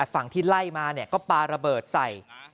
ฝั่งที่ไล่มาก็ปลาระเบิดใส่